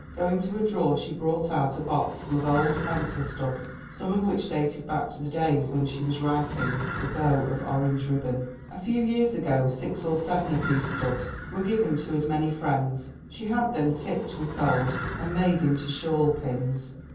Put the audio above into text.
Going to a drawer she brought out a box full of old pencil stubs, some of which dated back to the days when she was writing The Bow of Orange Ribbon. A few years ago six or seven of these stubs were given to as many friends, who had them tipped with gold and made into shawl pins.